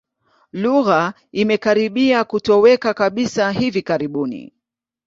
Lugha imekaribia kutoweka kabisa hivi karibuni.